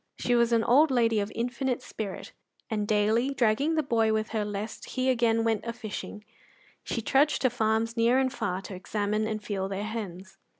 She was an old lady of infinite spirit, and daily, dragging the boy with her lest he again went a fishing, she trudged to farms near and far to examine and feel their hens.